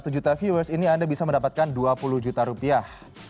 satu juta viewers ini anda bisa mendapatkan dua puluh juta rupiah